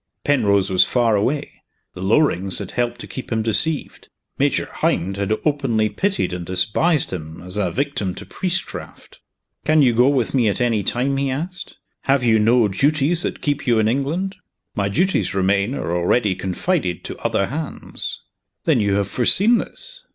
Penrose was far away; the Lorings had helped to keep him deceived; Major Hynd had openly pitied and despised him as a victim to priestcraft. "Can you go with me at any time?" he asked. "Have you no duties that keep you in England?" "My duties, Romayne, are already confided to other hands." "Then you have foreseen this?"